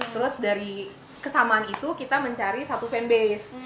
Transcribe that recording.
terus dari kesamaan itu kita mencari satu fanbase